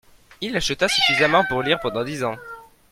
Il acheta suffisamment pour lire pendant dix ans.